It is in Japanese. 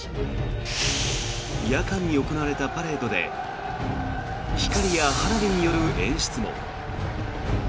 夜間に行われたパレードで光や花火による演出も。